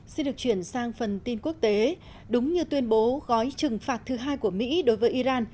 xin được chuyển sang phần tin quốc tế đúng như tuyên bố gói trừng phạt thứ hai của mỹ đối với iran